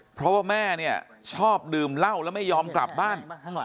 เพราะว่าแม่เนี่ยชอบดื่มเหล้าแล้วไม่ยอมกลับบ้าน